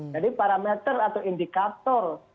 jadi parameter atau indikator